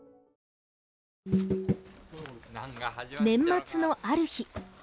年末のある日。